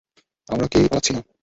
আমরা কেউি পালাচ্ছি না!